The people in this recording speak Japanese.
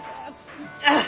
あっ！